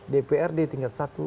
dpr di tingkat satu